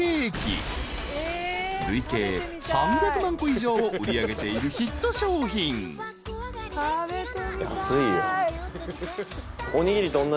［累計３００万個以上を売り上げているヒット商品］しかも。